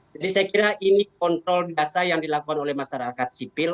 jadi saya kira ini kontrol dasar yang dilakukan oleh masyarakat sipil